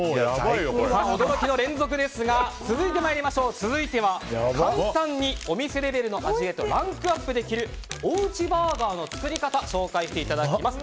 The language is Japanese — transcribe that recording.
驚きの連続ですが続いては簡単にお店レベルの味へとランクアップできるおうちバーガーの作り方を紹介していただきます。